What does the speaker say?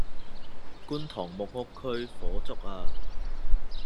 觀塘木屋區火燭呀